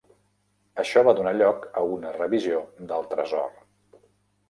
Això va donar lloc a una revisió del Tresor.